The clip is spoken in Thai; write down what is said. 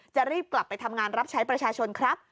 จะรีบกลับไปทำงานรับใช้ประชาชนครับ